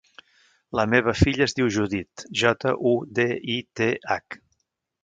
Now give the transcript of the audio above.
La meva filla es diu Judith: jota, u, de, i, te, hac.